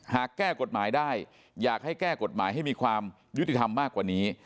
แก้กฎหมายได้อยากให้แก้กฎหมายให้มีความยุติธรรมมากกว่านี้